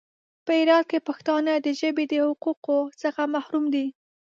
په هرات کې پښتانه د ژبې د حقوقو څخه محروم دي.